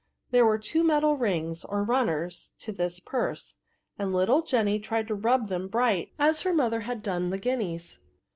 There were two metal rings, or runners, to this purse ; and little Jenny tried to rub them bright, as her mother had done the guineas.